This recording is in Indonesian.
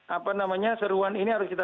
apa namanya seruan ini harus kita